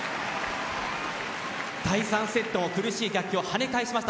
第３セットの苦しい逆境を跳ね返しました。